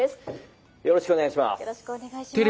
よろしくお願いします。